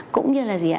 cũng như là gì ạ